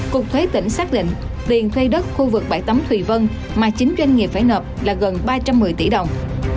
cục thuế tỉnh xác định tiền thuê đất khu vực bãi tấm thùy vân mà chín doanh nghiệp phải nợp là gần ba trăm một mươi tỷ đồng